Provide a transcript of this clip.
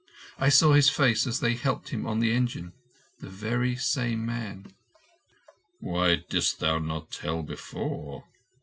I saw his face as they helped him on the engine. The very same man." "Why didst thou not tell before?"